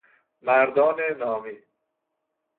مردان نامی